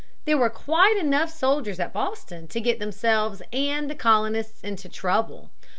There were quite enough soldiers at Boston to get themselves and the colonists into trouble.